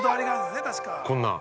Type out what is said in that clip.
◆こんなん。